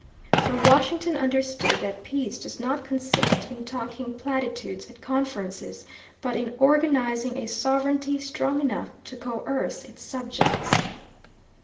For Washington understood that peace does not consist in talking platitudes at conferences, but in organizing a sovereignty strong enough to coerce its subjects.